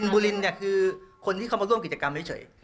บุรินคือคนที่เข้ามาร่วมกิจกรรมนี้เฉย